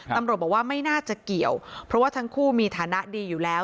ตำรวจบอกว่าไม่น่าจะเกี่ยวเพราะว่าทั้งคู่มีฐานะดีอยู่แล้ว